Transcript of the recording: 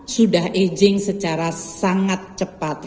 sudah aging secara sangat cepat